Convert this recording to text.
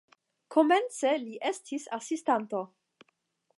Komence li estis asistanto.